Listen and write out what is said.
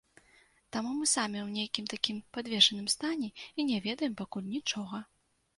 Таму мы самі ў нейкім такім падвешаным стане і не ведаем пакуль нічога.